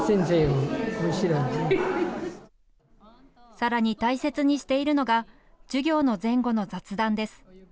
さらに大切にしているのが、授業の前後の雑談です。